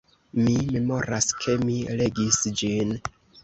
Mi memoras, ke mi legis ĝin.